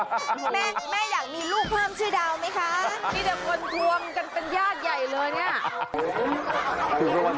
แม่อยากมีลูกฮามชื่อเดาไหมคะ